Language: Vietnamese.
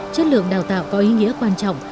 chất lượng đào tạo có ý nghĩa quan trọng